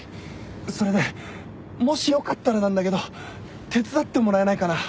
それでもしよかったらなんだけど手伝ってもらえないかな？